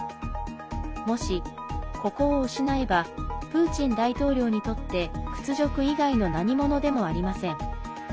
もし、ここを失えばプーチン大統領にとって屈辱以外の何物でもありません。